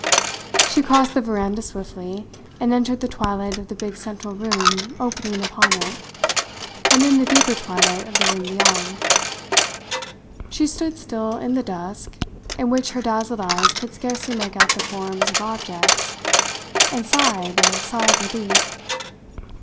She crossed the veranda swiftly, and entered the twilight of the big central room opening upon it, and then the deeper twilight of the room beyond. She stood still in the dusk, in which her dazzled eyes could scarcely make out the forms of objects, and sighed a sigh of relief.